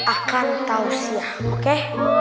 akan tahu siang oke